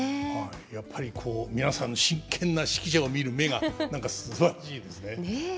やっぱりこう皆さんの真剣な指揮者を見る目が何かすばらしいですね。